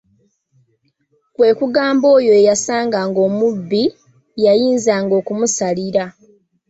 "Kwe kugamba oyo eyasanganga omubbi, yayinzanga okumusaalira."